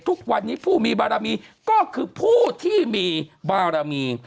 ทุกวันนี้ผู้มีบารมีก็คือผู้ที่มีบารมี